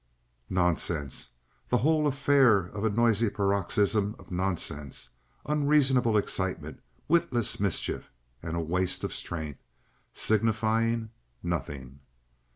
Nonsense! The whole affair a noisy paroxysm of nonsense, unreasonable excitement, witless mischief, and waste of strength—signifying nothing.